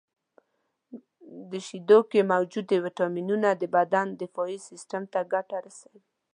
• د شیدو کې موجودې ویټامینونه د بدن دفاعي سیستم ته ګټه رسوي.